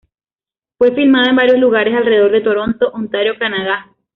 Fue filmada en varios lugares alrededor de Toronto, Ontario, Canadá.